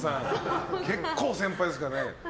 結構、先輩ですからね。